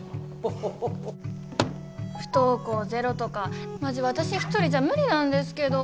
不登校ゼロとかマジわたし一人じゃ無理なんですけど。